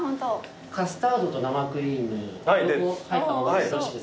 カスタードと生クリーム両方入った物でよろしいですか？